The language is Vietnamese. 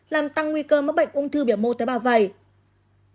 làm tăng nguy cơ mắc bệnh ung thư biểu mô tế bào vẩy